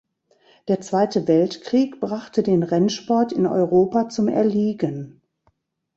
Der Zweite Weltkrieg brachte den Rennsport in Europa zum Erliegen.